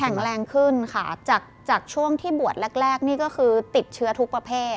แรงขึ้นค่ะจากจากช่วงที่บวชแรกแรกนี่ก็คือติดเชื้อทุกประเภท